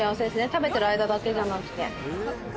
食べてる間だけじゃなくて。